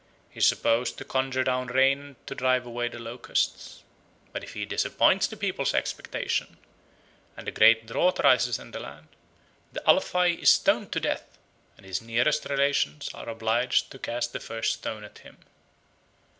He is supposed to conjure down rain and to drive away the locusts. But if he disappoints the people's expectation and a great drought arises in the land, the Alfai is stoned to death, and his nearest relations are obliged to cast the first stone at him.